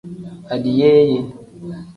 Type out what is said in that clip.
Adiyeeye.